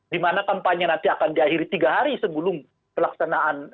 dimana kampanye nanti akan diakhiri tiga hari sebelum pelaksanaan